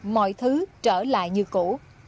mọi thứ trở lại như cũ